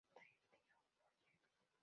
Trentino Volley